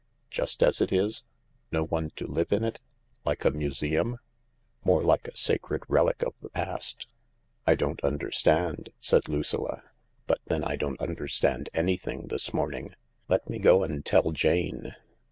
" Just as it is ? No one to live in it ? Like a museum ?"" More like a sacred relic of the past." " I don't understand," said Lucilla ;" but then I don't understand anything this morning. Let me go and tell Jane."